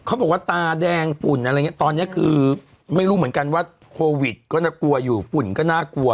เขาบอกว่าตาแดงฝุ่นอะไรอย่างนี้ตอนนี้คือไม่รู้เหมือนกันว่าโควิดก็น่ากลัวอยู่ฝุ่นก็น่ากลัว